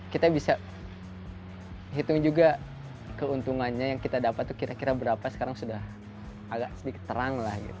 kita bisa hitung juga keuntungannya yang kita dapat itu kira kira berapa sekarang sudah agak sedikit terang lah gitu